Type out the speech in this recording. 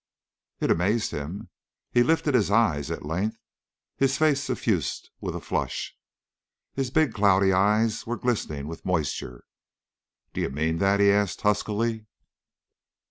It amazed him. He lifted his eyes at length; his face suffused with a flush; his big, cloudy eyes were glistening with moisture. "D'you mean that?" he asked huskily.